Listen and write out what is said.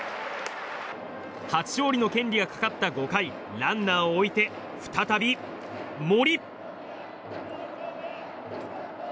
初勝利の権利がかかった５回ランナーを置いて再び、森。